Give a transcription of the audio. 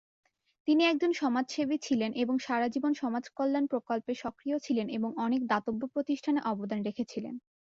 তিনি একজন সমাজসেবী ছিলেন এবং সারা জীবন সমাজকল্যাণ প্রকল্পে সক্রিয় ছিলেন এবং অনেক দাতব্য প্রতিষ্ঠানে অবদান রেখেছিলেন।